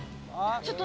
ちょっと！